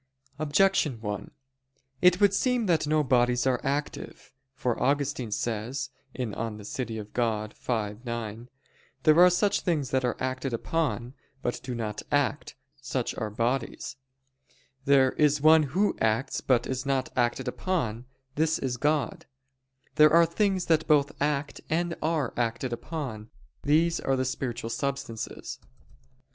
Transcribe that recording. Objection 1: It would seem that no bodies are active. For Augustine says (De Civ. Dei v, 9): "There are things that are acted upon, but do not act; such are bodies: there is one Who acts but is not acted upon; this is God: there are things that both act and are acted upon; these are the spiritual substances."